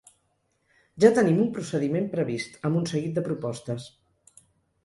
Ja tenim un procediment previst, amb un seguit de propostes.